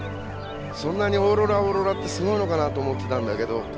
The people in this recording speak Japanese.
そんなにオーロラオーロラってすごいのかなと思ってたんだけど